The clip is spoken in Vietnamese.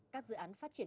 các dự án phát triển